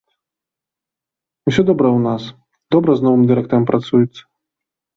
Усё добра ў нас, добра з новым дырэктарам працуецца.